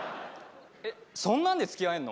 そんなんで付き合えるの？